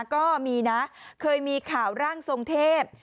ก็มีนะเคยมีข่าวร่างทรงเทพ